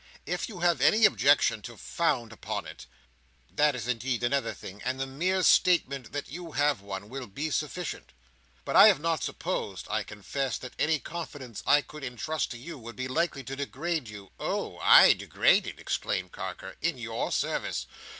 If you have any objection to found upon it, that is indeed another thing, and the mere statement that you have one will be sufficient. But I have not supposed, I confess, that any confidence I could entrust to you, would be likely to degrade you—" "Oh! I degraded!" exclaimed Carker. "In your service!"